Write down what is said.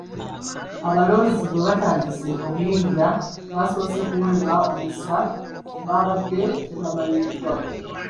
Abalonzi bwe batandise okuyingira, abasoose okuweebwa omukisa babadde tebamanyiddwa.